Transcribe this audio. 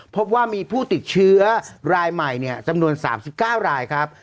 พบว่ามีผู้ติดเชื้อรายใหม่จำนวน๓๙รายครับ